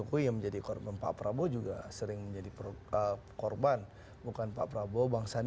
ujarannya itu adalah apa